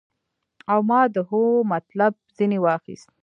او ما د هو مطلب ځنې واخيست.